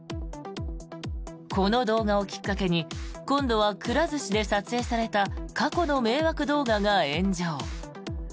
この動画をきっかけに今度はくら寿司で撮影された過去の迷惑動画が炎上。